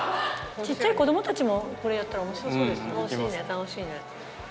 小っちゃい子供たちもこれやったら面白そうですよね。